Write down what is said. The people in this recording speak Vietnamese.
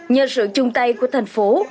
nhờ sự chung tay của thành phố